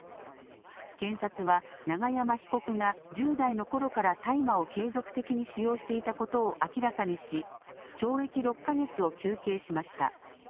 検察は、永山被告が１０代のころから大麻を継続的に使用していたことを明らかにし、懲役６か月を求刑しました。